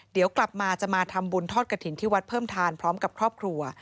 เดี๋ยวกลับมาจะมาทำบุญทอดกระถิ่นที่วัดเพิ่มทานพร้อมกับครอบครัว